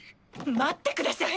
待ってください！